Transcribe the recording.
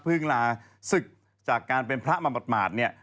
พึ่งลาศึกจากการเป็นพระมาบัดเนี่ย